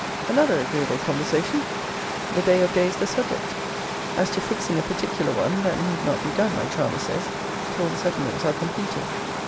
Another agreeable conversation. The day of days the subject. As to fixing a particular one, that need not be done, my charmer says, till the settlements are completed.